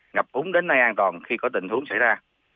ngập úng đến nơi an toàn khi có tình huống xảy ra